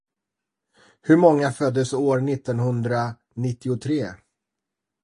Hur många föddes år nittonhundranittiotre?